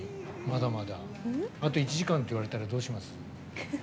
あと１時間って言われたらどうします？